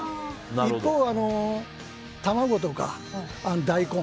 一方、卵とか大根